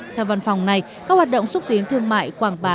theo văn phòng này các hoạt động xúc tiến thương mại quảng bá